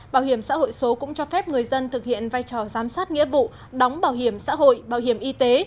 bảo hiểm xã hội số cũng cho phép người dân thực hiện vai trò giám sát nghĩa vụ đóng bảo hiểm xã hội bảo hiểm y tế